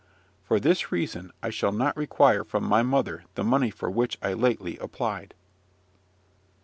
For this reason I shall not require from my mother the money for which I lately applied.